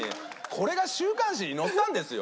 これが週刊誌に載ったんですよ。